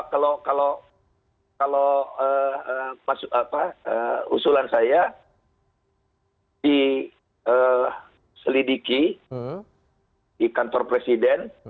kalau usulan saya di selidiki di kantor presiden